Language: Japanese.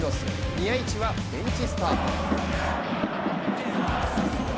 宮市はベンチスタート。